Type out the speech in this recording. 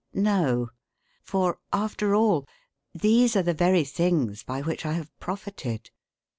No; for, after all, these are the very things by which I have profited.